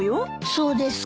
そうですか。